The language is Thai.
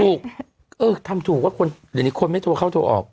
เออทำถูกว่าคนเดี๋ยวนี้คนไม่โทรเข้าโทรออก